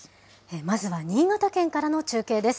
まずは新潟県からの中継です。